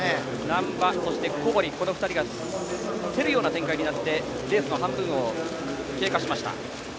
難波、小堀の２人が競るような展開でレースの半分を経過しました。